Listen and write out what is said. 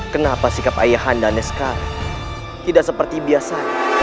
kenapa sikap ayah anda ini sekarang tidak seperti biasa